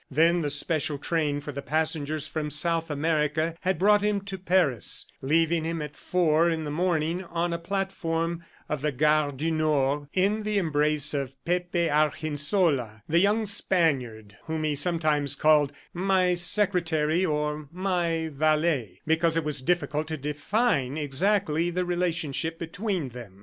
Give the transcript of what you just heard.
Then the special train for the passengers from South America had brought him to Paris, leaving him at four in the morning on a platform of the Gare du Nord in the embrace of Pepe Argensola, the young Spaniard whom he sometimes called "my secretary" or "my valet" because it was difficult to define exactly the relationship between them.